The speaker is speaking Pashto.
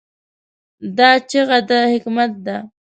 دا چیغه د حکمت ده.